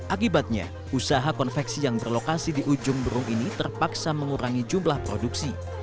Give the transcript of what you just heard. akibatnya usaha konveksi yang berlokasi di ujung berung ini terpaksa mengurangi jumlah produksi